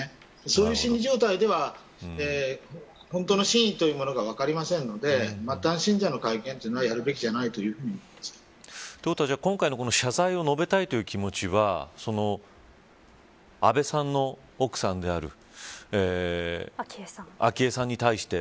そういう心理状態では本当の真意というものが分かりませんので、末端信者の会見というのはやるべきじゃないと今回の謝罪を述べたいという気持ちは安倍さんの奥さんである昭恵さんに対して。